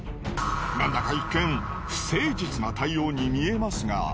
なんだか一見不誠実な対応に見えますが。